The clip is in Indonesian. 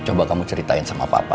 coba kamu ceritain sama papa